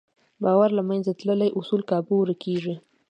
باور له منځه تللی، اصول کابو ورکېږي.